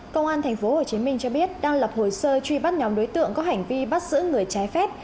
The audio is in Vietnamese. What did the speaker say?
công an tp hcm cho biết đang lập hồ sơ truy bắt nhóm đối tượng có hành vi bắt giữ người trái phép